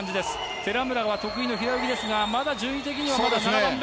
寺村は得意の平泳ぎですが、まだ順位的にはまだ７番目。